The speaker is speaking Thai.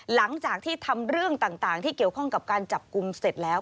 หลังจากที่ทำเรื่องต่างที่เกี่ยวข้องกับการจับกลุ่มเสร็จแล้ว